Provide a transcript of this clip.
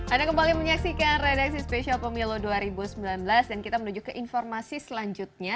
anda kembali menyaksikan redaksi spesial pemilu dua ribu sembilan belas dan kita menuju ke informasi selanjutnya